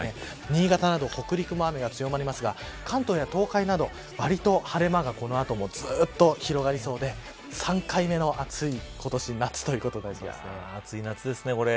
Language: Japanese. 新潟など北陸も雨が強まりますが関東や東海など、わりと晴れ間がこれからもずっと広がりそうで３回目の今年暑い夏ですね、これ。